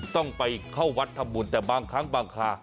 ต้องไปเข้าวัดทำบุญแต่บางครั้งบางคา